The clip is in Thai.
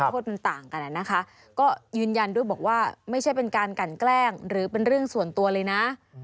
โทษมันต่างกันนะคะก็ยืนยันด้วยบอกว่าไม่ใช่เป็นการกันแกล้งหรือเป็นเรื่องส่วนตัวเลยนะ